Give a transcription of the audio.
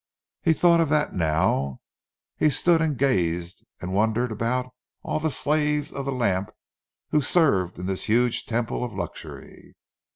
He thought of that now; he stood here and gazed, and wondered about all the slaves of the lamp who served in this huge temple of luxury.